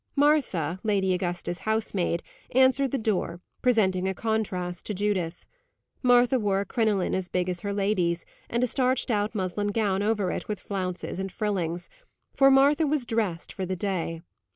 Martha, Lady Augusta's housemaid, answered the door, presenting a contrast to Judith. Martha wore a crinoline as big as her lady's, and a starched out muslin gown over it, with flounces and frillings, for Martha was "dressed" for the day.